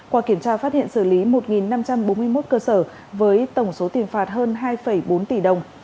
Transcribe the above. qua kiểm tra phát hiện xử lý một năm trăm bốn mươi một cơ sở với tổng số tiền phạt hơn hai bốn tỷ đồng